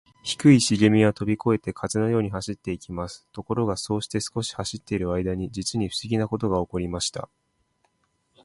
低いしげみはとびこえて、風のように走っていきます。ところが、そうして少し走っているあいだに、じつにふしぎなことがおこりました。